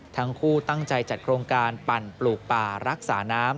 ทั้งคู่ตั้งใจจัดโครงการปั่นปลูกป่ารักษาน้ำ